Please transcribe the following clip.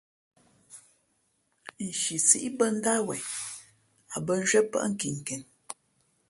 Nshi sǐʼ bᾱ ndáh wen, a bᾱ nzhwié pάʼ nkinken.